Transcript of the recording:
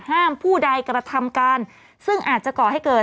ผู้ใดกระทำการซึ่งอาจจะก่อให้เกิด